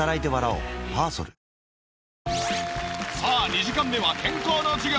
２時間目は健康の授業。